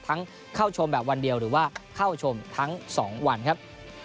เข้าชมแบบวันเดียวหรือว่าเข้าชมทั้ง๒วันครับ